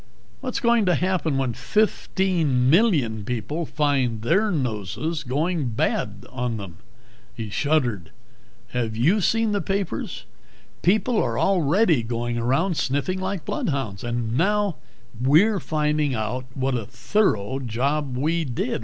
What's going to happen when fifteen million people find their noses going bad on them?" He shuddered. "Have you seen the papers? People are already going around sniffing like bloodhounds. And now we're finding out what a thorough job we did.